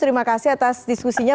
terima kasih atas diskusinya